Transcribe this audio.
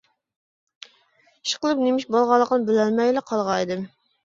ئىشقىلىپ نېمە ئىش بولغانلىقىنى بىلەلمەيلا قالغان ئىدىم.